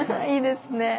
いいですね。